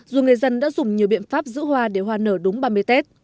dù người dân đã dùng nhiều biện pháp giữ hoa để hoa nở đúng ba mươi tết